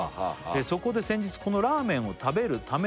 「そこで先日このラーメンを食べるためだけに」